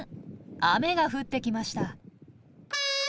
雨が降ってきました。